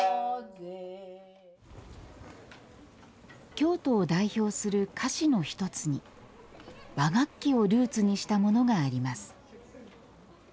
京都を代表する菓子の一つに和楽器をルーツにしたものがあります